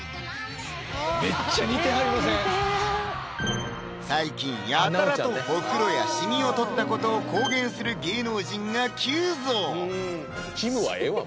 えぇ似てる最近やたらとホクロやシミを取ったことを公言する芸能人が急増！